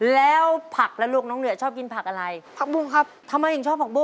แล้วผักละลูกน้องเหนือชอบกินผักอะไร